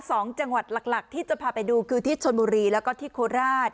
จังหวัดหลักหลักที่จะพาไปดูคือที่ชนบุรีแล้วก็ที่โคราช